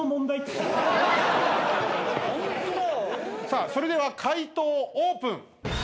さあそれでは解答オープン。